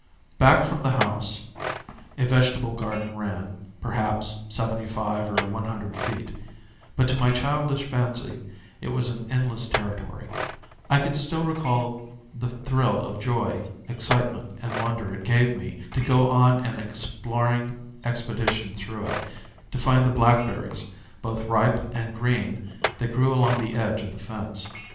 Back from the house a vegetable garden ran, perhaps seventy five or one hundred feet; but to my childish fancy it was an endless territory. I can still recall the thrill of joy, excitement, and wonder it gave me to go on an exploring expedition through it, to find the blackberries, both ripe and green, that grew along the edge of the fence.